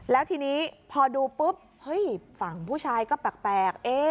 แล้วทีนี้พอดูปุ๊บเฮ้ยฝั่งผู้ชายก็แปลก